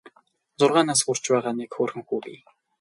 Зургаан нас хүрч байгаа нэг хөөрхөн хүү бий.